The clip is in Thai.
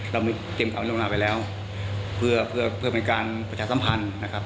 เรามีเต็มการลงนานไปแล้วเพื่อเพื่อเพื่อเป็นการประชาสัมพันธ์นะครับ